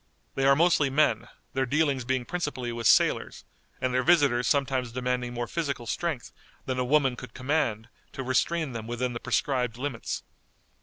They are mostly men, their dealings being principally with sailors, and their visitors sometimes demanding more physical strength than a woman could command to restrain them within the prescribed limits.